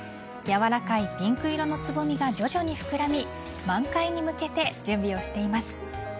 やわらかいピンク色のつぼみが徐々に膨らみ満開に向けて準備をしています。